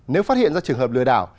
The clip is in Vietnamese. nếu phát hiện ra trường hợp lừa đảo